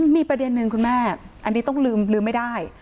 มีประเด็นหนึ่งคุณแม่อันนี้ต้องลืมไม่ได้